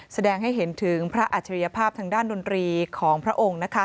แสดงให้เห็นถึงพระอัจฉริยภาพทางด้านดนตรีของพระองค์